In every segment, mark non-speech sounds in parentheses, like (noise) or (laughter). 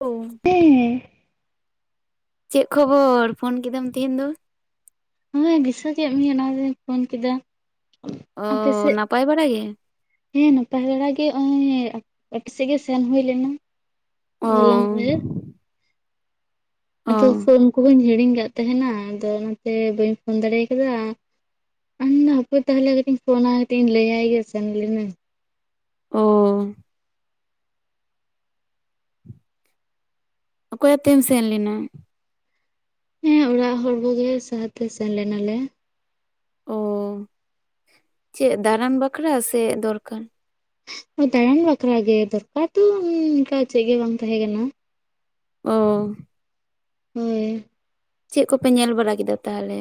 ᱳ ᱦᱮᱸ ᱪᱮᱫ ᱠᱷᱚᱵᱚᱨ ᱯᱷᱳᱱ ᱠᱮᱫᱟᱢ ᱛᱮᱦᱮᱧ ᱫᱚ ᱦᱮᱸ ᱫᱤᱥᱟᱹ ᱠᱮᱫ ᱢᱮᱭᱟ ᱚᱱᱟᱛᱮᱧ ᱯᱷᱳᱱ ᱠᱮᱫᱟ ᱚᱻ ᱟᱯᱮ ᱥᱮᱫ ᱱᱟᱯᱟᱭ ᱵᱟᱲᱟᱜᱮ? ᱦᱮᱸ ᱱᱟᱯᱟᱭ ᱵᱮᱲᱟ ᱜᱮ ᱱᱚᱜᱼᱚᱭ ᱟᱯᱮ ᱥᱮᱫ ᱜᱮ ᱥᱮᱱ ᱦᱩᱭ ᱞᱮᱱᱟ ᱦᱚᱜ ᱚ ᱚᱭ ᱞᱟᱞᱵᱟᱡᱟᱨ ᱚ ᱟᱫᱚ ᱯᱷᱳᱱ ᱠᱚᱦᱚᱧ ᱦᱤᱲᱤᱧ ᱠᱟᱫ ᱛᱟᱦᱮᱱᱟ ᱟᱫᱚ ᱚᱱᱟᱛᱮ ᱵᱟᱹᱧ ᱯᱷᱳᱱ ᱫᱟᱲᱮ ᱠᱟᱫᱟ ᱟᱫᱚᱧ ᱞᱟ. ᱭ ᱫᱟ ᱦᱟᱯᱮ ᱛᱟᱦᱚᱞᱮ ᱠᱟᱹᱴᱤᱡᱤᱧ ᱯᱷᱳᱱᱭ ᱛᱮ ᱞᱟ. ᱭ‌ᱟᱭ ᱜᱮ ᱥᱮᱱ ᱞᱮᱱᱟ. ᱧ ᱚ ᱚᱠᱚᱭ ᱟᱛᱮᱢ ᱥᱮᱱ ᱞᱮᱱᱟ ᱦᱮᱸ ᱚᱲᱟᱜ ᱦᱚᱲ ᱠᱚᱜᱮ ᱥᱟᱣᱛᱮ ᱥᱮᱱ ᱞᱮᱱᱟᱞᱮ ᱚ ᱪᱮᱫ ᱫᱟᱨᱟᱱ ᱵᱟᱠᱨᱟ, ᱥᱮ ᱫᱚᱨᱠᱟᱨ? ᱦᱳᱭ ᱫᱟᱬᱟᱱ ᱵᱟᱠᱷᱨᱟ ᱜᱮ ᱫᱚᱨᱠᱟᱨ ᱫᱚ ᱚᱱᱠᱟ ᱪᱮᱫ ᱜᱮ ᱵᱟᱝ ᱛᱟᱦᱮᱸ ᱠᱟᱱᱟ। ᱚ ᱦᱳᱭ ᱪᱮᱫ ᱠᱚᱯᱮ ᱧᱮᱞ ᱵᱟᱲᱟ ᱠᱮᱫᱟ ᱛᱟᱦᱚᱞᱮ?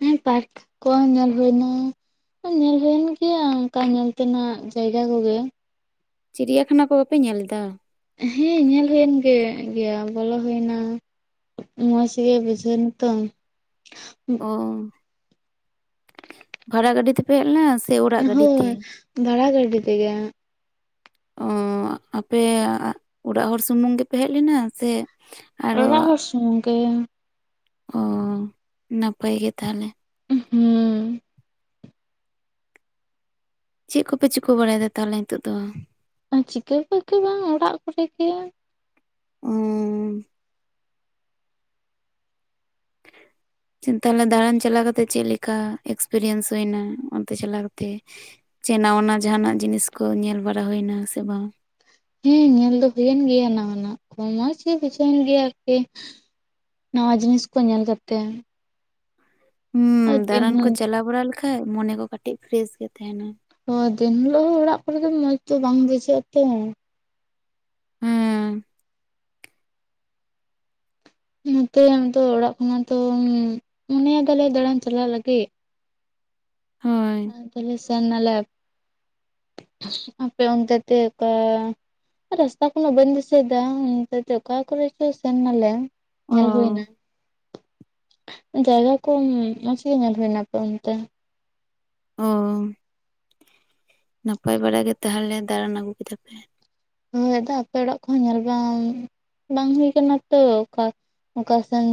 ᱦᱮᱸ ᱯᱟᱨᱠ ᱠᱚ ᱧᱮᱞ ᱦᱳᱭᱱᱟ ᱟ ᱧᱮᱞ ᱦᱩᱭᱮᱱ ᱜᱮᱭᱟ ᱚᱱᱠᱟ ᱧᱮᱞ ᱛᱮᱱᱟᱜ ᱡᱟᱭᱜᱟ ᱠᱚᱜᱮ ᱪᱤᱨᱤᱭᱟᱠᱷᱟᱱᱟ ᱠᱚ ᱵᱟᱯᱮ ᱧᱮᱞ ᱞᱮᱫᱟ? ᱦᱮᱸ ᱧᱮᱞ ᱦᱩᱭᱮᱱ ᱜᱮ ᱜᱮᱭᱟ ᱵᱚᱞᱚ ᱦᱩᱭᱱᱟ ᱢᱚᱡᱽ ᱜᱮ ᱵᱩᱡᱷᱟᱣ ᱱᱟᱛᱚ? ᱚ ᱵᱷᱟᱲᱟ ᱜᱟᱹᱰᱤ ᱛᱮᱯ ᱯᱮ ᱦᱮᱡ ᱞᱮᱱᱟ ᱥᱮ ᱳ ᱦᱳᱭ ᱵᱷᱟᱲᱟ ᱜᱟᱹᱰᱤ ᱛᱮᱜᱮ ᱚ ᱟᱯᱮ ᱚᱲᱟᱜ ᱦᱚᱲ ᱥᱩᱢᱩᱝ ᱜᱮᱯᱮ ᱦᱮᱡ ᱞᱮᱱᱟ ᱥᱮ ᱟᱨᱚ ᱚᱲᱟᱜ ᱦᱚᱲ ᱥᱩᱢᱩᱝ ᱜᱮ ᱚ ᱱᱟᱯᱟᱭ ᱜᱮ ᱛᱟᱦᱚᱞᱮ ᱩᱸᱻᱦᱜ ᱦᱩᱸ ᱪᱮᱜ ᱠᱚᱯᱮ ᱪᱤᱠᱟᱹ ᱵᱟᱲᱟᱭᱮᱫᱟ ᱛᱟᱦᱚᱞᱮ ᱱᱤᱛᱚᱜ ᱫᱚ ᱟ ᱪᱤᱠᱟᱹ ᱠᱚᱜᱮ ᱵᱟᱝ ᱚᱲᱟᱜ ᱠᱚᱨᱮ ᱜᱮ ᱚᱸᱻᱻ ᱪᱤᱫ ᱛᱟᱦᱞᱮ ᱫᱟᱬᱟᱱ ᱪᱟᱞᱟᱣ ᱠᱟᱛᱮᱜ ᱪᱮᱫ ᱞᱮᱠᱟ ᱮᱠᱥᱯᱨᱤᱭᱮᱱᱥ ᱦᱩᱭᱱᱟ ᱚᱱᱛᱮ ᱪᱟᱞᱟᱣ ᱠᱟᱛᱮᱜ ᱪᱮ ᱱᱟ ᱱᱟ ᱡᱟᱦᱟᱸᱱᱟᱜ ᱡᱤᱱᱤᱥ ᱠᱚ ᱧᱮᱞ ᱵᱟᱲᱟ ᱦᱩᱭᱱᱟ ᱥᱮ ᱵᱟᱝ ᱦᱮᱸ ᱧᱮᱞ ᱫᱚ ᱦᱩᱭᱮᱱ ᱜᱮᱭᱟ ᱱᱟᱣᱟᱱᱟᱜ ᱠᱚ, ᱢᱚᱸᱡᱽ ᱜᱮ ᱵᱩᱡᱷᱟᱹᱣ ᱮᱮᱱ ᱜᱮᱭᱟ ᱟᱨᱠᱤ ᱱᱟᱣᱟ ᱡᱤᱱᱤᱥ ᱠᱚ ᱧᱮᱞ ᱠᱟᱛᱮ ᱦᱩᱸ ᱟᱨ ᱫᱤᱱ ᱫᱟᱬᱟᱱ ᱠᱚ ᱪᱟᱞᱟᱣ ᱵᱟᱲᱟ ᱞᱮᱠᱷᱟᱡ ᱢᱚᱱᱮ ᱠᱚ ᱠᱟᱹᱴᱤᱡ ᱯᱷᱮᱨᱮᱥ ᱜᱮ ᱛᱟᱦᱮᱱᱟ ᱦᱚᱭ ᱫᱤᱱ ᱦᱤᱞᱳᱜ ᱦᱚᱸ ᱚᱲᱟᱜ ᱠᱚᱨᱮ ᱫᱚ ᱢᱚᱸᱡᱽ ᱫᱚ ᱵᱟᱝ ᱵᱩᱡᱷᱟᱹᱜᱼᱟ ᱛᱚ ᱦᱩᱸ ᱱᱚᱛᱮ ᱟᱫᱚ ᱚᱲᱟᱜ ᱠᱷᱚᱱᱟᱜ ᱛᱚ ᱢᱚᱱᱮᱭᱟᱫᱟᱞᱮ ᱫᱟᱲᱟᱱ ᱪᱟᱞᱟᱜ ᱞᱟᱹᱜᱤᱫ ᱦᱳᱭ ᱛᱟᱦᱚᱞᱮ ᱥᱮᱱᱟᱞᱮ ᱯ ᱟᱯᱮ ᱚᱱᱛᱮ ᱛᱮ ᱨᱟᱥᱛᱟ ᱠᱚᱱᱟ ᱵᱟᱹᱧ ᱫᱤᱥᱟᱹᱭᱮᱫᱟ ᱚᱱᱛᱮ ᱛᱮ ᱚᱠᱟ ᱠᱚᱨᱮ ᱪᱚ ᱥᱮᱱ ᱱᱟᱞᱮ ᱚ ᱧᱮᱞ ᱦᱩᱭ ᱱᱟ ᱡᱟᱭᱜᱟ ᱠᱚ ᱢᱚᱸᱡᱽ ᱜᱮ ᱧᱮᱞ ᱦᱩᱭᱱᱟ ᱟᱯᱮ ᱚᱱᱛᱮ ᱚ ᱱᱟᱯᱟᱭ ᱵᱟᱲᱟ ᱜᱮ ᱛᱟᱦᱚᱞᱮ ᱫᱟᱬᱟᱱ ᱟᱹᱜᱩ ᱠᱮᱫᱟ ᱯᱮ ᱦᱳᱭ ᱟᱫᱚ ᱟᱯᱮ ᱚᱲᱟᱜ ᱠᱚᱦᱚᱸ ᱧᱮᱞ ᱵᱟᱝ ᱵᱟᱝ ᱦᱩᱭ ᱠᱟᱱᱟ ᱛᱚ ᱚᱠᱟ ᱚᱠᱟ ᱥᱮᱱ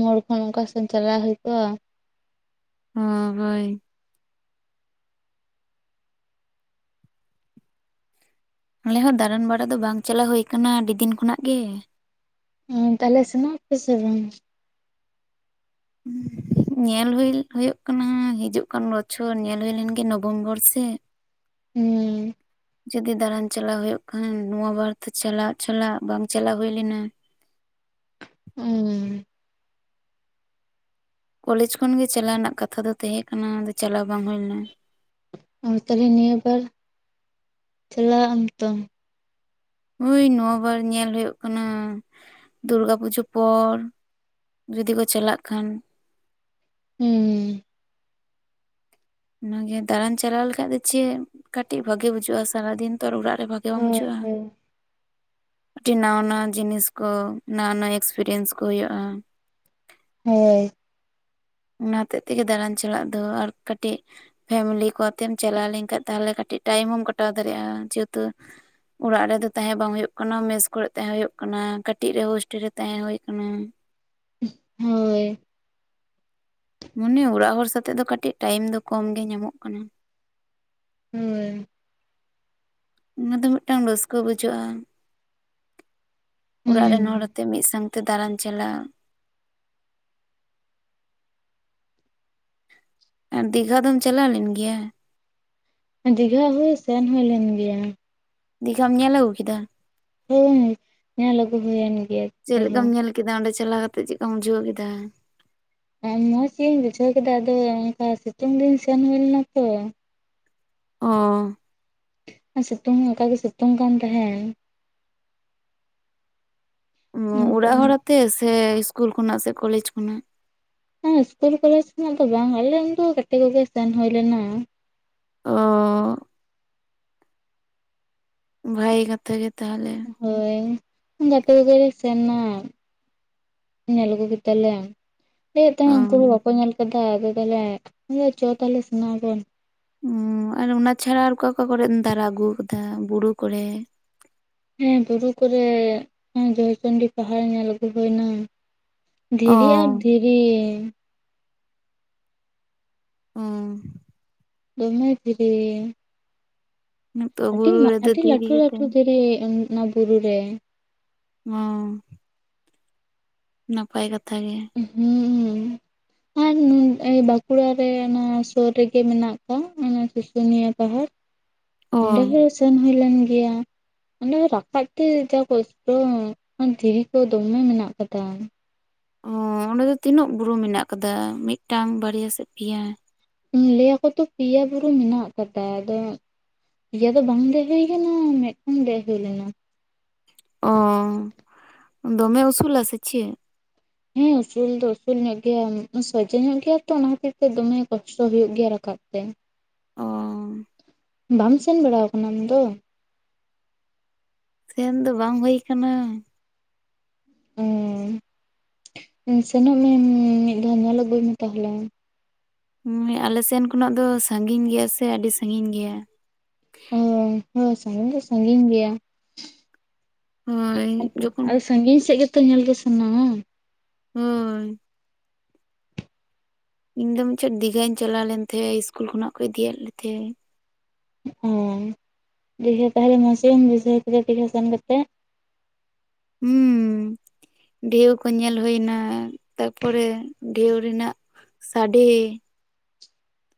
ᱢᱳᱲ ᱠᱷᱚᱱ ᱚᱠᱟ ᱥᱮᱱ ᱪᱟᱞᱟᱣ ᱦᱩᱭ ᱠᱚᱜᱼᱟ ᱦᱚᱸ ᱦᱚᱭ ᱟᱞᱮ ᱦᱚᱸ ᱫᱟᱬᱟᱱ ᱵᱟᱲᱟ ᱫᱚ ᱵᱟᱝ ᱪᱟᱞᱟᱣ ᱦᱩᱭᱩ ᱟᱠᱟᱱᱟ ᱟᱹᱰᱤ ᱫᱤᱱ ᱠᱷᱚᱱᱟᱜ ᱜᱮ ᱛᱟᱦᱚᱞᱮ ᱥᱮᱱᱚᱜ ᱟᱯᱮ ᱥᱮ ᱵᱟᱝ ᱦᱩᱸ ᱧᱮᱞ ᱦᱩᱭᱤᱞ ᱦᱳᱭᱳᱜ ᱠᱟᱱᱟ ᱦᱤᱡᱩᱜ ᱠᱟᱱ ᱵᱚᱪᱷᱚᱨ ᱧᱮᱞ ᱦᱳᱞᱮᱱ ᱜᱮ ᱱᱚᱵᱷᱮᱢᱵᱚᱨ ᱥᱮᱫ ᱦᱩᱸ ᱡᱩᱫᱤ ᱫᱟᱬᱟᱱ ᱪᱟᱞᱟᱣ ᱦᱩᱭᱩᱜ ᱠᱷᱟᱱ ᱱᱚᱣᱟ ᱵᱟᱨ ᱛᱮ ᱪᱟᱞᱟᱜ ᱪᱟᱞᱟᱜ ᱵᱟᱝ ᱪᱟᱞᱟᱣ ᱦᱩᱭ ᱞᱮᱱᱟ ᱩᱸᱻᱻ ᱠᱚᱞᱮᱡᱽ ᱠᱷᱚᱱᱜᱮ ᱪᱟᱞᱟᱣ ᱨᱮᱱᱟᱜ ᱠᱟᱛᱷᱟ ᱫᱚ ᱛᱟᱦᱮᱸ ᱠᱟᱱᱟ ᱟᱫᱚ ᱪᱟᱞᱟᱣ ᱵᱟᱝ ᱦᱩᱭ ᱞᱮᱱᱟ ᱚᱸ ᱛᱟᱦᱚᱞᱮ ᱱᱤᱭᱟᱹ ᱵᱟᱨ ᱪᱟᱞᱟᱜ ᱟᱢ ᱛᱚ ᱦᱳᱭ ᱱᱚᱶᱟ ᱵᱟᱨ ᱧᱮᱞ ᱦᱩᱭᱩᱜ ᱠᱟᱱᱟ ᱫᱩᱨᱜᱟ ᱯᱩᱡᱟᱹ ᱯᱚᱨ ᱡᱩᱫᱤ ᱠᱚ ᱪᱟᱞᱟᱜ ᱠᱷᱟᱱ ᱩᱸᱻᱻ ᱚᱱᱟᱜᱮ ᱫᱟᱬᱟᱱ ᱪᱟᱞᱟᱣ ᱞᱮᱠᱷᱟᱡ ᱫᱚ ᱪᱮᱫ ᱠᱟᱹᱴᱤᱡ ᱵᱷᱟᱜᱤ ᱵᱩᱡᱷᱟᱹᱜᱼᱟ ᱥᱟᱨᱟ ᱫᱤᱱ ᱛᱚ ᱚᱲᱟᱜ ᱨᱮ ᱵᱷᱟᱜᱤ ᱵᱟᱝ ᱦᱳᱭ ᱵᱩᱡᱷᱩᱜᱼᱟ ᱦᱳᱭ ᱠᱟᱴᱤᱜ ᱱᱟᱣᱟ ᱱᱟᱣᱟ ᱡᱤᱱᱤᱥ ᱠᱚ ᱱᱟᱣᱟ ᱱᱟᱣᱟ ᱮᱠᱥᱯᱮᱨᱤᱭᱮᱱᱥ ᱠᱚ ᱦᱩᱭᱩᱜᱼᱟ᱾ ᱦᱳᱭ ᱚᱱᱟ ᱦᱚᱛᱮᱜ ᱛᱮᱜᱮ ᱫᱟᱬᱟᱱ ᱪᱟᱞᱟᱜ ᱫᱚ ᱟᱨ ᱠᱟᱹᱴᱤᱡ ᱯᱷᱮᱢᱮᱞᱤ ᱠᱚ ᱛᱮᱢ ᱪᱟᱞᱟᱣ ᱞᱮᱱᱠᱷᱟᱱᱡ ᱛᱟᱦᱚᱞᱮ ᱠᱟᱹᱴᱤᱡ ᱴᱟᱭᱤᱢ ᱠᱚᱴᱟᱣ ᱫᱟᱲᱮᱭᱟᱜᱼᱟ ᱡᱮᱦᱮᱛᱩ ᱚᱲᱟᱜ ᱨᱮᱫᱚ ᱛᱟᱦᱮᱸ ᱵᱟᱝ ᱦᱩᱭᱩᱜ ᱠᱟᱱᱟ ᱢᱮᱥ ᱠᱚᱨᱮ ᱛᱟᱦᱮᱸ ᱦᱩᱭᱩᱜ ᱠᱟᱱᱟ ᱠᱟᱹᱴᱤᱡ ᱨᱮ ᱦᱳᱥᱴᱮᱞ ᱨᱮ ᱛᱟᱦᱮᱸ ᱦᱳᱭ ᱠᱟᱱᱟ ᱦᱳᱭ ᱢᱚᱱᱮ ᱚᱲᱟᱜ ᱦᱚᱲ ᱥᱟᱣᱛᱮᱜ ᱫᱚ ᱠᱟᱹᱴᱤᱡ ᱴᱟᱭᱤᱢ ᱫᱚ ᱠᱚᱢ ᱜᱮ ᱧᱟᱢᱚᱜ ᱠᱟᱱᱟ ᱦᱩᱸ ᱚᱱᱟ ᱫᱚ ᱢᱤᱫᱴᱟᱝ ᱨᱟᱹᱥᱠᱟᱹ ᱵᱩᱡᱷᱟᱹᱜᱼᱟ ᱚᱲᱟᱜ ᱨᱮᱱ ᱦᱩᱸ ᱦᱚᱲᱛᱮ ᱢᱤᱫ ᱥᱟᱝ ᱛᱮ ᱫᱟᱲᱟᱱ ᱪᱟᱞᱟᱣ ᱟᱨ ᱫᱤᱜᱷᱟ ᱫᱚᱢ ᱪᱟᱞᱟᱣ ᱞᱮᱱ ᱜᱮᱭᱟ ᱫᱤᱜᱷᱟ ᱦᱚᱭ ᱥᱮᱱ ᱦᱩᱭ ᱞᱮᱱ ᱜᱮᱭᱟ ᱫᱤᱜᱷᱟᱢ ᱧᱮᱞ ᱟᱹᱜᱩ ᱠᱮᱫᱟ ᱦᱳᱭ ᱦᱳᱭ ᱧᱮᱞ ᱟᱹᱜᱩ ᱦᱩᱭᱮᱱ ᱜᱮᱭᱟ ᱪᱮᱫ ᱫᱤᱜᱷᱟ ᱞᱮᱠᱟᱢ ᱦᱚᱸ ᱧᱮᱞ ᱠᱮᱫᱟ ᱚᱸᱰᱮ ᱪᱟᱞᱟᱣ ᱠᱟᱛᱮᱜ, ᱪᱮᱫᱠᱟᱢ ᱵᱩᱡᱷᱟᱹᱣ ᱠᱮᱫᱟ? ᱦᱮᱸ, ᱢᱚᱸᱪ ᱜᱤᱧ ᱵᱩᱡᱷᱟᱹᱣ ᱠᱮᱫᱟ, ᱟᱫᱚ ᱚᱱᱠᱟ ᱥᱤᱛᱩᱝ ᱫᱤᱱ ᱥᱮᱱ ᱦᱩᱭ ᱞᱮᱱᱟ ᱛᱚ ᱚ, ᱥᱤᱛᱩᱝ ᱚᱱᱠᱟ ᱜᱮ, ᱥᱤᱛᱩᱝ ᱠᱟᱱ ᱛᱟᱦᱮᱸᱱ᱾ ᱚ, ᱚᱲᱟᱜ ᱦᱚᱲᱟᱛᱮ ᱥᱮ, ᱤᱥᱠᱩᱞ ᱠᱷᱚᱱᱟᱜ ᱥᱮ ᱠᱚᱞᱮᱮᱡ ᱠᱷᱚᱱᱟᱜ ᱦᱮᱸ ᱤᱥᱠᱩᱞ ᱠᱚᱞᱮᱡᱽ ᱠᱷᱱᱟᱜ ᱫᱚ ᱵᱟᱝ, ᱟᱞᱮᱱ ᱩᱱᱠᱩ ᱜᱟᱛᱮ ᱠᱚᱜᱮ ᱥᱮᱱ ᱦᱳᱭ ᱞᱮᱱᱟ᱾ ᱚᱻ, ᱵᱷᱟᱜᱮ ᱠᱟᱛᱷᱟ ᱜᱮ ᱛᱟᱦᱚᱞᱮ᱾ ᱦᱳᱭ, ᱜᱟᱛᱮ ᱠᱚᱜᱮ ᱞᱮ ᱥᱮᱱ ᱱᱟ, ᱧᱮᱞ ᱟᱹᱜᱩ ᱠᱮᱫᱟᱞᱮ᱾ ᱞᱟᱹᱭᱮᱫ ᱚ ᱛᱟᱦᱮᱸᱜ ᱩᱱᱠᱩ ᱦᱚᱸ ᱵᱟᱠᱚ ᱧᱮᱞ ᱠᱟᱫᱟ, ᱟᱫᱚ ᱛᱟᱦᱚᱞᱮ ᱟ ᱪᱚ ᱛᱟᱦᱞᱮ ᱥᱮᱱᱜ ᱟᱵᱚᱱ᱾ ᱩᱸ, ᱟᱨ ᱚᱱᱟ ᱪᱷᱟᱲᱟ, ᱟᱨ ᱚᱠᱟ, ᱚᱠᱟ ᱠᱚᱨᱮᱢ ᱫᱟᱨᱟ ᱟᱹᱜᱩ ᱠᱟᱫᱟ ᱵᱩᱨᱩ ᱠᱚᱨᱮ? ᱦᱮᱸ, ᱵᱩᱨᱩ ᱠᱚᱨᱮ, ᱡᱚᱭᱪᱚᱱᱰᱤ ᱯᱟᱦᱟᱲ ᱧᱮᱞ ᱟᱹᱜᱩ ᱦᱳᱭᱱᱟ᱾ ᱫᱷᱤᱨᱤ ᱟᱨ, ᱚ ᱫᱷᱤᱨᱤ, ᱾ ᱩᱸ, ᱫᱚᱢᱮ ᱫᱷᱤᱨᱤ ᱱᱤᱛᱚᱜ ᱟᱹᱰᱤ, ᱵᱩᱨᱩ ᱨᱮᱫᱚ ᱟᱹᱰᱤ ᱫᱷᱤᱨᱤ ᱞᱟᱹᱴᱩ ᱜᱮ ᱞᱟᱹᱴᱩ ᱛᱟᱦᱮᱱ ᱫᱷᱤᱨᱤ, ᱚᱱᱟ ᱵᱩᱨᱩ ᱨᱮ ᱚᱸ, ᱱᱟᱯᱟᱭ ᱠᱟᱛᱷᱟ ᱜᱮ᱾ ᱦᱩᱸ, ᱦᱩᱸ, ᱟᱨ, ᱵᱟᱸᱠᱩᱲᱟᱨᱮ ᱚᱱᱟ ᱥᱳᱨ ᱨᱮᱜᱮ, ᱢᱮᱱᱟᱜ ᱠᱟᱜ, ᱚᱱᱟ ᱥᱩᱥᱩᱱᱤᱭᱟ ᱯᱟᱦᱟᱲ᱾ ᱚ ᱚᱸᱰᱮ ᱦᱚᱸ, ᱥᱮᱱ ᱦᱳᱭ ᱞᱮᱱ ᱜᱮᱭᱟ᱾ ᱚᱸᱰᱮ ᱨᱟᱠᱟᱵ ᱛᱮ ᱡᱟ ᱠᱚᱥᱴᱚ, ᱫᱷᱤᱨᱤ ᱠᱚ ᱫᱚᱢᱮ ᱢᱮᱱᱟᱜ ᱠᱟᱫᱟ᱾ ᱚ, ᱚᱸᱰᱮ ᱫᱚ ᱛᱤᱱᱟᱹᱜ ᱵᱩᱨᱩ ᱢᱮᱱᱟᱜ ᱠᱟᱫᱟ, ᱢᱤᱫᱴᱟᱝ ᱵᱟᱨᱮᱭᱟ ᱥᱮ ᱯᱤᱭᱟ? ᱞᱟᱹᱭ ᱟᱠᱚ ᱛᱚ ᱯᱤᱭᱟ ᱵᱩᱨᱩ ᱢᱮᱱᱟᱜ ᱠᱟᱫᱟ, ᱟᱫᱚ ᱯᱤᱭᱟ ᱫᱚ ᱵᱟᱝ ᱫᱮᱜ ᱦᱩᱭ ᱠᱟᱱᱟ, ᱢᱤᱫᱴᱟᱝ ᱫᱮᱜ ᱦᱳᱭ ᱞᱮᱱᱟ᱾ ᱚ, ᱫᱚᱢᱮ ᱩᱥᱩᱞᱟ ᱥᱮ ᱪᱮᱜ? ᱦᱮᱸ, ᱩᱥᱩᱞ ᱫᱚ ᱩᱥᱩᱞ ᱧᱚᱜ ᱜᱮᱭᱟ, ᱥᱚᱡᱮ ᱧᱚᱜ ᱜᱮᱭᱟ ᱛᱚ, ᱚᱱᱟ ᱠᱷᱟᱛᱤᱨ ᱛᱮ, ᱫᱚᱢᱮ ᱠᱚᱥᱴᱚ ᱦᱳᱭᱳᱜ ᱜᱮᱭᱟ ᱨᱟᱠᱟᱵ ᱛᱮ᱾ ᱚ ᱵᱟᱢ ᱥᱮᱱ ᱵᱟᱲᱟᱳ ᱠᱟᱱᱟ ᱟᱢ ᱫᱚ? ᱥᱮᱱ ᱫᱚ ᱵᱟᱝ ᱦᱳᱭ ᱠᱟᱱᱟ᱾ ᱦᱮᱸ, ᱥᱮᱱᱚᱜ ᱢᱮ ᱢᱤᱫ ᱫᱷᱟᱣ ᱧᱮᱞ ᱟᱜᱩᱭ ᱢᱮ ᱛᱟᱦᱚᱞᱮ? ᱟᱞᱮ ᱥᱮᱱ ᱠᱷᱚᱱᱟᱜ ᱫᱚ, ᱥᱟᱸᱜᱤᱧ ᱜᱮᱭᱟ ᱥᱮ, ᱟᱰᱤ ᱥᱟᱸᱜᱤᱧ ᱜᱮᱭᱟ᱾ ᱦᱮᱸ, ᱦᱳᱭ ᱥᱟᱸᱜᱤᱧ ᱫᱚ ᱥᱟᱸᱜᱤᱧ ᱜᱮᱭᱟ᱾ ᱦᱳᱭ ᱡᱚᱠᱷᱚᱱ ᱥᱟᱸᱜᱤᱧ ᱥᱮᱫ ᱜᱮᱛᱚ ᱧᱮᱞ ᱜᱮ ᱥᱟᱱᱟᱣᱟ? ᱦᱚᱭ, ᱤᱧ ᱫᱚ ᱢᱤᱪᱷᱚᱴ ᱫᱤᱜᱷᱟᱧ ᱪᱟᱞᱟᱣ ᱞᱮᱱ ᱛᱮᱦᱮᱸᱜ ᱤᱥᱠᱩᱞ ᱠᱷᱚᱱᱟᱜ ᱠᱚ ᱤᱫᱤᱭᱮᱫ ᱞᱮ ᱛᱮᱦᱮᱸᱜ᱾ ᱚ, ᱫᱤᱜᱷᱟ ᱛᱟᱦᱚᱞᱮ ᱢᱚᱸᱡᱽᱜᱮᱢ ᱵᱩᱡᱷᱟᱹᱣ ᱠᱮᱫᱟ ᱫᱤᱜᱷᱟ ᱥᱮᱱ ᱠᱟᱛᱮᱜ? ᱦᱩᱸ, ᱰᱷᱮᱣ ᱠᱚ ᱧᱮᱞ ᱦᱳᱭᱱᱟ᱾ ᱛᱟᱨ ᱯᱚᱨᱮ ᱰᱷᱮᱣ ᱨᱮᱱᱟᱜ ᱥᱟᱰᱮ᱾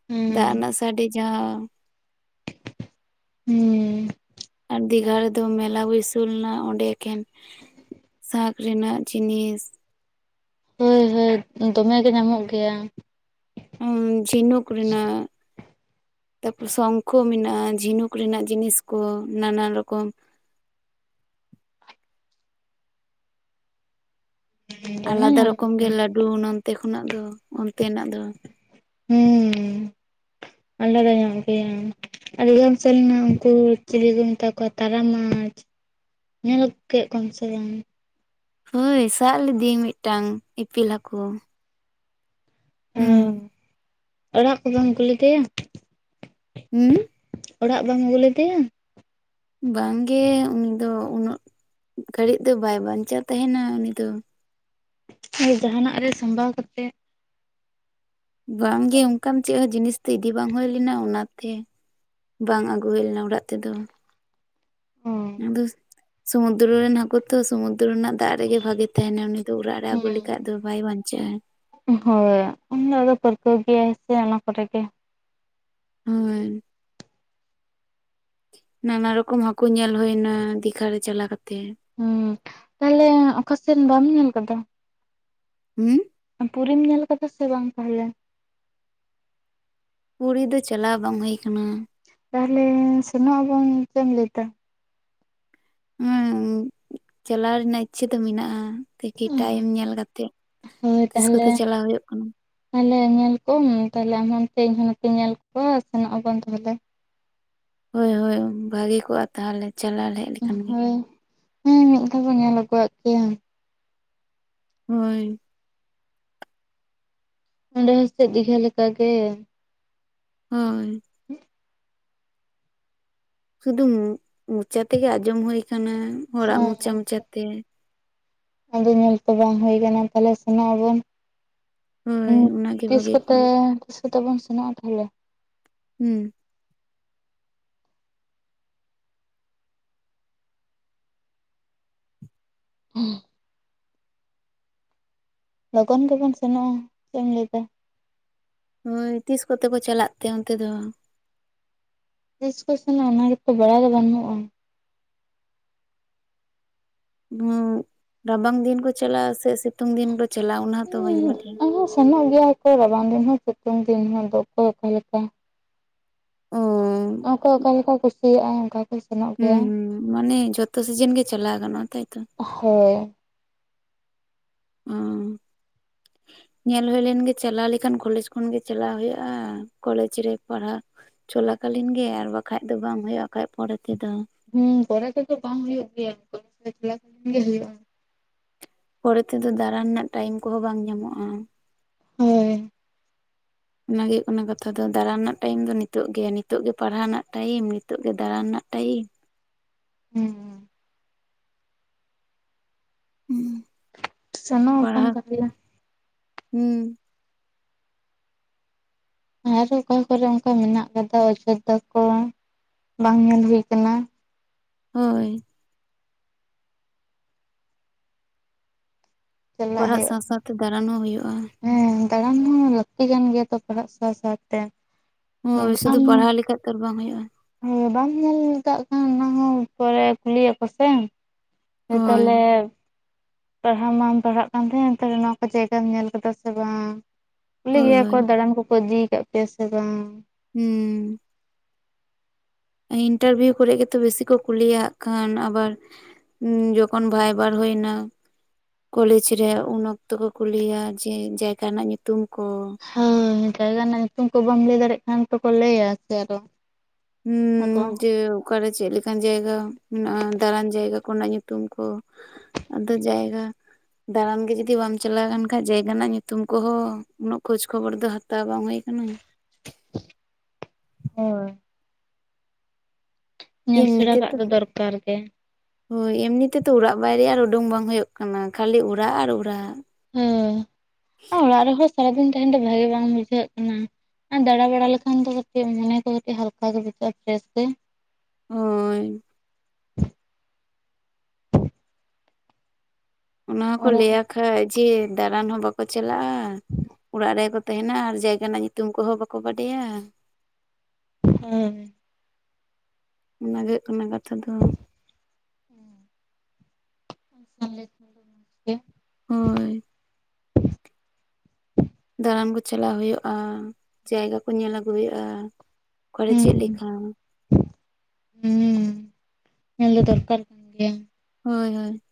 ᱦᱩᱸ ᱫᱟᱜ ᱨᱮᱱᱟᱜ ᱥᱟᱰᱮ ᱡᱟᱦᱟᱸ ᱼᱼ ᱦᱢᱸ, ᱟᱨ ᱫᱤᱜᱷᱟ ᱨᱮᱫᱚ ᱢᱮᱞᱟ ᱵᱟᱹᱭᱥᱳᱣ ᱞᱮᱱᱟ, ᱚᱸᱰᱮ ᱮᱠᱷᱮᱱ ᱥᱟᱸᱠ ᱨᱮᱱᱟᱜ ᱡᱤᱱᱤᱥ ᱦᱳᱭ, ᱦᱳᱭ, ᱫᱚᱢᱮ ᱜᱮ ᱧᱟᱢᱚᱜ ᱜᱮᱭᱟ᱾ ᱦᱩᱢ, ᱡᱷᱤᱱᱩᱠ ᱨᱮᱱᱟᱜ ᱛᱟᱨᱯᱚᱨ ᱥᱚᱝᱠᱷᱚ ᱢᱮᱱᱟᱜᱼᱟ, ᱡᱷᱤᱱᱩᱠ ᱨᱮᱱᱟᱜ ᱡᱤᱱᱤᱥ ᱠᱚ ᱱᱟᱱᱟ ᱨᱚᱠᱚᱢ ᱫᱚᱢᱮ ᱟᱞᱟᱫᱟ ᱧᱟᱢᱚᱜ ᱨᱚᱠᱚᱢ ᱜᱮ ᱜᱮᱭᱟ ᱞᱟᱹᱰᱩ, ᱱᱚᱱᱛᱮ ᱠᱷᱚᱱᱟᱜ ᱫᱚ, ᱚᱱᱛᱮ ᱱᱟᱜ ᱫᱚ᱾ ᱦᱮᱸ, ᱟᱞᱟᱫᱟ ᱧᱚᱜ ᱜᱮᱭᱟ᱾ ᱟᱰᱤᱜᱟᱱ ᱥᱮᱞᱱᱟ, ᱩᱱᱠᱩ ᱪᱮᱞᱮ ᱠᱚ ᱢᱮᱛᱟ ᱠᱚᱣᱟ ᱛᱟᱨᱟ ᱢᱟᱪ᱾ ᱧᱮᱞ ᱠᱮᱜ ᱠᱚᱣᱟᱢ ᱥᱮ ᱵᱟᱝ-ᱟ? ᱦᱳᱭ, ᱥᱟᱜ ᱞᱤᱫᱤᱭᱟᱹᱧ ᱢᱤᱫᱴᱟᱝ, ᱤᱯᱤᱞ ᱦᱟᱠᱳ᱾ ᱚ ᱚᱲᱟᱜ ᱠᱚ ᱫᱚᱢ ᱠᱩᱞᱤ ᱠᱮᱭᱟ ᱩᱸᱻᱻᱻ ᱚᱲᱟᱜ ᱵᱟᱢ ᱟᱜᱩ ᱞᱮᱫᱮᱭᱟ? ᱵᱟᱝ ᱜᱮ ᱩᱱᱤ ᱫᱚ ᱩᱱᱟᱹᱜ ᱜᱷᱟᱹᱲᱤᱡ ᱫᱚ ᱵᱟᱭ ᱵᱟᱧᱪᱟᱣ ᱛᱟᱸᱦᱮᱱᱟ ᱩᱱᱤ ᱫᱚ ᱟᱨ ᱡᱟᱦᱟᱸᱱᱟᱜ ᱨᱮ ᱥᱟᱢᱵᱟᱣ ᱠᱟᱛᱮ ᱵᱟᱝᱜᱮ ᱚᱱᱠᱟᱢ ᱪᱮᱫ ᱦᱚᱸ ᱡᱤᱱᱤᱥ ᱫᱚ ᱤᱫᱤ ᱵᱟᱝ ᱦᱳᱭ ᱞᱮᱱᱟ ᱚᱱᱟ ᱛᱮ ᱵᱟᱝ ᱟᱜᱳ ᱦᱳᱭ ᱞᱮᱱᱟ ᱚᱲᱟᱜ ᱛᱮᱫᱚ ᱚ (inaudible) ᱥᱩᱢᱩᱫᱨᱩ ᱨᱮᱱ ᱦᱟᱠᱩ ᱛᱚ ᱥᱩᱢᱩᱫᱨᱩ ᱨᱮᱱᱟᱜ ᱫᱟᱜ ᱨᱮᱜᱮ ᱵᱷᱟᱜᱮ ᱛᱟᱸᱦᱮᱱᱟ ᱩᱱᱤ ᱫᱚ ᱚᱲᱟᱜ ᱨᱮ ᱟᱜᱩ ᱞᱮᱠᱷᱟᱡ ᱫᱚᱭ ᱵᱟᱭ ᱵᱟᱧᱪᱟᱜᱼᱟᱭ ᱩᱜ ᱦᱳᱭ ᱩᱱᱤ ᱫᱚ ᱟᱫᱚ ᱯᱟᱹᱨᱠᱟᱹᱣ ᱜᱮᱭᱟᱭ ᱥᱮ ᱚᱱᱟ ᱠᱚᱨᱮ ᱜᱮ ᱦᱳᱭ ᱱᱟᱱᱟ ᱨᱚᱠᱚᱢ ᱦᱟᱠᱩ ᱧᱮᱞ ᱦᱳᱭ ᱱᱟ ᱫᱤᱜᱷᱟ ᱨᱮ ᱪᱟᱞᱟ ᱠᱟᱛᱮ ᱦᱩᱸ ᱛᱟᱦᱟᱞᱮ ᱚᱠᱟᱥᱮᱱ ᱵᱟᱢ ᱧᱮᱞ ᱟᱠᱟᱫᱟ ᱾ ᱦᱩᱸᱻ ᱟᱢ ᱯᱩᱨᱤᱢ ᱧᱮᱞ ᱟᱠᱟᱫᱟ ᱥᱮ ᱵᱟᱝ ᱛᱟᱦᱚᱞᱮ ᱾ ᱯᱩᱨᱤ ᱫᱚ ᱪᱟᱞᱟᱣ ᱵᱟᱝ ᱦᱩᱭ ᱟᱠᱟᱱᱟ ᱾ ᱛᱟᱦᱚᱞᱮ ᱥᱮᱱᱚᱜ ᱟᱵᱚᱱ ᱪᱮᱫ ᱮᱢ ᱞᱟᱹᱭ ᱫᱟ ᱾ ᱦᱩᱸ ᱪᱟᱞᱟᱣ ᱨᱮᱱᱟᱜ ᱤᱪᱪᱷᱟᱹ ᱫᱚ ᱢᱮᱱᱟᱜᱼᱟ ᱾ ᱛᱤᱠᱤ ᱴᱟᱭᱤᱢ ᱧᱮᱞ ᱠᱟᱛᱮᱜ ᱛᱤᱥ ᱠᱚᱛᱮ ᱪᱟᱞᱟᱣ ᱦᱩᱭᱩᱜ ᱠᱟᱱᱟ ᱾ ᱛᱟᱦᱞᱮ ᱧᱮᱞ ᱠᱚᱢ ᱛᱟᱦᱚᱞᱮ ᱟᱢ ᱚᱱᱛᱮ ᱤᱧ ᱦᱚᱸ ᱱᱚᱛᱮᱧ ᱧᱮᱞ ᱠᱚᱣᱟ ᱥᱮᱱᱚᱜ ᱟᱵᱚᱱ ᱛᱟᱦᱚᱞᱮ ᱾ ᱦᱳᱭ ᱦᱳᱭ ᱵᱷᱟᱹᱜᱤ ᱠᱚᱜᱼᱟ ᱛᱟᱦᱚᱞᱮ ᱪᱟᱞᱟᱞᱮᱡ ᱾ ᱦᱳᱭ ᱩ ᱦᱩᱸ ᱚᱱᱠᱟ ᱵᱚᱱ ᱧᱮᱞ ᱟᱹᱜᱩᱣᱟᱜ ᱯᱮ ᱾ ᱦᱳᱭ ᱚᱰᱮ ᱦᱚᱸ ᱥᱮᱜ ᱫᱤᱜᱷᱟ ᱞᱮᱠᱟᱜ ᱜᱮ ᱾ ᱦᱳ (unintelligible) ᱥᱩᱫᱷᱩ ᱢᱩ ᱢᱚᱪᱟ ᱛᱮᱜᱮ ᱟᱸᱡᱚᱢ ᱦᱩᱭᱭ ᱟᱠᱟᱱᱟ ᱦᱚᱲᱟᱜ ᱦᱮᱸ ᱢᱚᱪᱟ ᱢᱚᱪᱟᱛᱮ ᱾ ᱟᱫᱚ ᱧᱮᱞ ᱛᱚ ᱵᱟᱝ ᱦᱩᱭ ᱟᱠᱟᱱᱟ ᱛᱟᱦᱚᱞᱮ ᱥᱮᱱᱚᱜ ᱟᱵᱚᱱ ᱾ ᱩ ᱦᱳᱭ ᱚᱱᱟᱜᱮ ᱛᱤᱥ ᱵᱷᱟᱜᱮ ᱠᱚᱛᱮ ᱠᱚᱜᱼᱟ ᱛᱤᱥ ᱠᱚᱛᱮ ᱵᱚᱱ ᱥᱮᱱᱚᱜᱼᱟ ᱛᱟᱦᱚᱞᱮ ᱾ ᱦᱩᱸ (unintelligible) ᱞᱚᱜᱚᱱ ᱜᱮᱵᱚᱱ ᱥᱮᱱᱚᱜᱼᱟ ᱪᱮᱫ ᱮᱢ ᱞᱟᱹᱭᱮᱫᱟ ᱾ ᱦᱳ ᱛᱤᱥ ᱠᱚᱛᱮ ᱠᱚ ᱪᱟᱞᱟᱜ ᱛᱮ ᱚᱱᱛᱮ ᱫᱚ ᱾ ᱛᱤᱥ ᱠᱚ ᱥᱮᱱᱚᱜ ᱟ ᱚᱱᱟ ᱜᱮᱛ ᱵᱟᱲᱟᱭ ᱫᱚ ᱵᱟᱹᱱᱩᱜᱼᱟ ᱾ ᱱᱚᱜ ᱨᱟᱵᱟᱝ ᱫᱤᱱ ᱠᱚ ᱪᱟᱞᱟᱜᱼᱟ ᱥᱮ ᱥᱤᱛᱩᱝ ᱫᱤᱱ ᱠᱚ ᱪᱟᱞᱟᱜᱼᱟ ᱚᱱᱟ ᱦᱚᱸᱛᱚ ᱵᱟᱹᱧ ᱵᱟᱰᱷᱤᱭᱟ ᱾ ᱥᱮᱱᱚᱜ ᱜᱮᱭᱟ ᱦᱚᱭᱛᱚ ᱨᱟᱵᱟᱝ ᱫᱤᱱ ᱦᱚᱸ ᱥᱤᱛᱩᱝ ᱫᱤᱱ ᱦᱚᱸ ᱡᱚᱛ ᱚᱠᱟ ᱞᱮᱠᱟ ᱾ ᱚ ᱚᱠᱚᱭ ᱚᱠᱟᱮᱠᱟ ᱠᱩᱥᱤᱭᱟᱜᱼᱟ ᱚᱱᱠᱟ ᱠᱚ ᱥᱮᱱᱚᱜ ᱦᱩᱸ ᱜᱮᱭᱟ ᱾ ᱦᱩᱸ ᱢᱟᱱᱮ ᱡᱷᱚᱛᱚ ᱥᱤᱡᱤᱱ ᱜᱮ ᱪᱟᱞᱟᱣ ᱜᱟᱱᱚᱜᱼᱟ ᱛᱟᱭᱛᱚ ᱾ ᱦᱳᱭ ᱩᱸᱻᱻ (inaudible) ᱧᱮᱞ ᱦᱩᱭ ᱞᱮᱱᱜᱮ ᱪᱟᱞᱟᱣ ᱞᱮᱠᱷᱟᱱ ᱠᱚᱞᱮᱡᱽ ᱠᱷᱚᱱᱜᱮ ᱪᱟᱞᱟᱣ ᱦᱩᱭᱩᱜᱼᱟ ᱠᱚᱞᱮᱮᱡ ᱨᱮ ᱯᱟᱲᱦᱟᱜ ᱪᱚᱞᱟᱠᱟᱞᱤᱱ ᱜᱮ ᱟᱨ ᱵᱟᱠᱷᱟᱡ ᱫᱚ ᱵᱟᱝ ᱦᱩᱭᱩᱜᱼᱟ ᱵᱟ ᱠᱷᱟᱱᱡ ᱯᱚᱨᱮ ᱛᱮᱫᱚ ᱾ ᱦᱩᱸ ᱯᱚᱨ ᱛᱟᱛᱚ ᱵᱟᱝ ᱦᱩᱭᱩᱜ ᱜᱮᱭᱟ ᱠᱮᱞᱟᱥ ᱠᱮᱞᱟ ᱠᱷᱚᱱ ᱜᱮ ᱦᱩᱭᱩᱜᱼᱟ ᱾ ᱯᱚᱨᱮ ᱛᱮᱫᱚ ᱫᱟᱬᱟᱱ ᱨᱮᱱᱟᱜ ᱴᱟᱭᱤᱢ ᱠᱚᱦᱚᱸ ᱵᱟᱝ ᱧᱟᱢᱚᱜᱼᱟ ᱾ ᱦᱳᱭ ᱚᱱᱟ ᱜᱮ ᱦᱤᱡᱩᱜ ᱠᱟᱱᱟ ᱠᱟᱛᱷᱟ ᱫᱚ ᱫᱟᱬᱟᱱ ᱨᱮᱱᱟᱜ ᱴᱟᱭᱤᱢ ᱫᱚ ᱱᱤᱛᱚᱜ ᱜᱮ ᱱᱤᱛᱚᱜ ᱜᱮ ᱯᱟᱲᱦᱟᱣ ᱨᱮᱱᱟᱜ ᱴᱟᱭᱤᱢ ᱱᱤᱛᱚᱜ ᱜᱮ ᱫᱟᱬᱟᱱ ᱨᱮᱱᱟᱜ ᱴᱟᱭᱤᱢ ᱾ ᱦᱩᱸ ᱦᱩᱸ ᱦᱸ ᱥᱮᱱᱚᱜ ᱟᱵᱚᱱ ᱯᱟᱰᱦᱟᱣ ᱛᱟᱦᱚᱞᱮ᱾ ᱦᱩᱸ ᱟᱨᱚ ᱚᱠᱟ ᱠᱚᱨᱮ ᱚᱝᱠᱟ ᱢᱮᱱᱟᱜ ᱟᱠᱟᱫᱟ ᱚᱡᱳᱫᱽᱫᱷᱟ ᱠᱚ ᱵᱟᱝ ᱧᱮᱞ ᱦᱩᱭ ᱠᱟᱱᱟ᱾ ᱦᱳᱭ᱾ ᱪᱟᱞᱟᱜ ᱯᱟᱨᱟᱜ ᱦᱩᱭᱩᱜᱼᱟ ᱥᱟᱶ ᱥᱟᱶᱛᱮ ᱫᱟᱬᱟᱱ ᱦᱚᱸ ᱦᱩᱭᱩᱜᱼᱟ᱾ ᱦᱮᱸ ᱫᱟᱬᱟᱱ ᱦᱚᱸ ᱞᱟᱹᱠᱛᱤ ᱠᱟᱱ ᱜᱮᱭᱟ ᱛᱚ ᱯᱟᱲᱦᱟᱜ ᱥᱟᱶ ᱥᱟᱶᱛᱮ᱾ ᱦᱳᱭ ᱥᱩᱫᱷᱩ ᱯᱟᱲᱦᱟᱣ ᱞᱮᱠᱷᱟᱡ ᱛᱚ ᱟᱨ ᱵᱟᱝ ᱦᱩᱭᱩᱜᱼᱟ᱾ ᱦᱮᱸ ᱵᱟᱢ ᱧᱮᱞ ᱠᱟᱜ ᱠᱷᱟᱱ ᱚᱱᱟ ᱦᱚᱸ ᱯᱚᱨᱮ ᱠᱩᱞᱤᱭᱟᱠᱚ ᱥᱮ᱾ ᱦᱮᱸ ᱦᱳᱭ ᱛᱟᱦᱞᱮ ᱯᱟᱲᱦᱟᱣ ᱢᱟᱢ ᱯᱟᱲᱦᱟᱜ ᱠᱟᱱ ᱛᱟᱸᱦᱮᱱ ᱛᱟᱦᱞᱮ ᱱᱚᱣᱟ ᱠᱚ ᱡᱟᱭᱜᱟᱢ ᱧᱮᱞ ᱠᱟᱫᱟ ᱥᱮ ᱵᱟᱝ? ᱠᱩᱞᱤ ᱦᱳᱭ ᱜᱮᱭᱟ ᱠᱚ ᱦᱳᱭ ᱫᱟᱬᱟᱱ ᱠᱚᱠᱚ ᱤᱫᱤᱭᱟᱠᱟᱫ ᱯᱮᱭᱟ ᱥᱮ ᱵᱟᱝ? ᱦᱩᱸ᱾ ᱤᱱᱴᱟᱨᱵᱷᱤᱭᱩ ᱠᱚᱨᱮ ᱜᱮᱛᱚ ᱵᱮᱥᱤ ᱠᱚ ᱠᱩᱞᱤᱭᱟ ᱦᱟᱸᱜ ᱠᱷᱟᱱ ᱟᱵᱟᱨ ᱦᱩᱸ, ᱡᱚᱠᱷᱚᱱ ᱵᱷᱟᱭᱵᱟᱨ ᱦᱩᱭᱱᱟ ᱠᱚᱞᱮᱡᱽ ᱨᱮᱭᱟᱜ ᱩᱱ ᱚᱠᱛᱚ ᱠᱚ ᱠᱩᱞᱤᱭᱟ ᱡᱮ ᱡᱟᱭᱜᱟ ᱨᱮᱱᱟᱜ ᱧᱩᱛᱩᱢ ᱠᱚ᱾ ᱦᱳᱭ, ᱡᱟᱭᱜᱟ ᱨᱮᱱᱟᱜ ᱧᱩᱛᱩᱢ ᱠᱚ ᱵᱟᱢ ᱞᱟᱹᱭ ᱫᱟᱲᱮᱭᱟᱜ ᱠᱷᱟᱱ ᱛᱚᱠᱚ ᱞᱟᱹᱭᱟ ᱡᱮ ᱟᱨᱚ ᱦᱩᱸ ᱟᱠᱚ ᱡᱮᱣ᱾ ᱚᱠᱟᱨᱮ ᱪᱮᱫ ᱞᱮᱠᱟᱱ ᱡᱟᱭᱜᱟ ᱢᱮᱱᱟᱜᱼᱟ, ᱫᱟᱬᱟᱱ ᱡᱟᱭᱜᱟ ᱠᱚ ᱨᱮᱱᱟᱜ ᱧᱩᱛᱩᱢ ᱠᱚ᱾ ᱟᱫᱚ ᱡᱟᱭᱜᱟ, ᱫᱟᱬᱟᱱ ᱜᱮ ᱡᱚᱫᱤ ᱵᱟᱢ ᱪᱟᱞᱟᱣ ᱟᱠᱟᱱ ᱠᱷᱟᱡ ᱡᱟᱭᱜᱟ ᱨᱮᱱᱟᱜ ᱧᱩᱛᱩᱢ ᱠᱚᱦᱚᱸ ᱩᱱᱟᱹᱜ ᱠᱷᱳᱡᱽ ᱠᱷᱚᱵᱚᱨ ᱫᱚ ᱦᱟᱛᱟᱣ ᱵᱟᱝ ᱦᱩᱭ ᱟᱠᱟᱱᱟ᱾ ᱦᱳᱭ ᱧᱮᱞ ᱮᱢᱱᱤ ᱥᱮᱬᱟ ᱠᱟᱜ ᱛᱮᱫᱚ᱾ ᱫᱚ ᱫᱚᱨᱠᱟᱨ ᱜᱮ ᱦᱳᱭ, ᱮᱢᱱᱤ ᱛᱮᱫᱚ ᱚᱲᱟᱜ ᱵᱟᱭᱨᱮ ᱟᱨ ᱩᱰᱩᱝ ᱵᱟᱝ ᱦᱩᱭᱩᱜ ᱠᱟᱱᱟ ᱠᱷᱟᱹᱞᱤ ᱚᱲᱟᱜ ᱟᱨ ᱚᱲᱟᱜ᱾ ᱦᱮᱹ, ᱚᱲᱟᱜ ᱨᱮᱦᱚᱸ ᱥᱟᱨᱟᱫᱤᱱ ᱛᱟᱸᱦᱮᱱ ᱫᱚ ᱵᱷᱟᱜᱤ ᱵᱟᱝ ᱵᱩᱡᱷᱟᱹᱜ ᱠᱟᱱᱟ᱾ ᱟᱨ ᱫᱟᱬᱟ ᱵᱟᱲᱟ ᱞᱮᱠᱷᱟᱱ ᱫᱚ ᱠᱟᱹᱴᱤᱡ ᱢᱚᱱᱮ ᱠᱚ ᱠᱟᱹᱴᱤᱡ ᱦᱟᱞᱠᱟ ᱜᱮ ᱵᱩᱡᱷᱟᱹᱜᱼᱟ ᱯᱷᱨᱮᱥ ᱜᱮ᱾ ᱦᱳᱭ᱾ ᱚᱱᱟ ᱦᱚᱸᱠᱚ ᱟᱫᱚ ᱞᱟᱹᱭᱟ ᱠᱷᱟᱱ ᱡᱮ ᱫᱟᱬᱟᱱ ᱦᱚᱸ ᱵᱟᱠᱚ ᱪᱟᱞᱟᱜᱼᱟ᱾ ᱚᱲᱟᱜ ᱨᱮᱜᱮᱠᱚ ᱛᱮᱸᱦᱮᱱᱟ ᱟᱨ ᱡᱟᱭᱜᱟ ᱨᱮᱱᱟᱜ ᱧᱩᱛᱩᱢ ᱠᱚᱦᱚᱸ ᱵᱟᱠᱚ ᱵᱟᱰᱟᱭᱟ᱾ ᱦᱩᱸ᱾ ᱚᱱᱟ ᱜᱮ ᱦᱩᱭᱩᱜ ᱠᱟᱱᱟ ᱠᱟᱛᱷᱟ ᱫᱚ᱾ ᱦᱩᱸ, (unintelligible) ᱢᱚᱡᱽ ᱜᱮ᱾ ᱦᱳᱭ᱾ ᱫᱟᱬᱟᱱ ᱠᱩ ᱪᱟᱞᱟᱣ ᱦᱩᱭᱩᱜᱼᱟ, ᱡᱟᱭᱜᱟ ᱠᱚ ᱧᱮᱞ ᱟᱹᱜᱩ ᱦᱩᱭᱩᱜᱼᱟ, ᱚᱠᱟᱨᱮ ᱪᱮᱫ ᱦᱩᱸ ᱞᱮᱠᱟ? ᱦᱩᱸ, ᱧᱮᱞ ᱫᱚ ᱫᱚᱨᱠᱟᱨ ᱠᱟᱱ ᱜᱮᱭᱟ᱾ ᱦᱳᱭ, ᱦᱳᱭ᱾